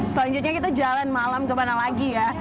selanjutnya kita jalan malam kemana lagi ya